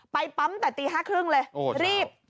ไปปั๊มแต่ตีห้าครึ่งเลยรีบ